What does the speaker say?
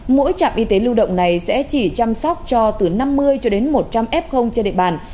mỗi trạm y tế lưu động này sẽ chỉ chăm sóc cho từ năm mươi cho đến một trăm linh f trên địa bàn